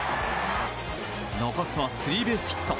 残すはスリーベースヒット。